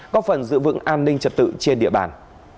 có phần giữ vững an ninh trật tự trên địa bàn